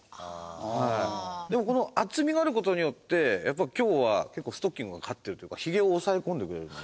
でもこの厚みがある事によってやっぱ今日は結構ストッキングが勝ってるというか髭を押さえ込んでくれるので。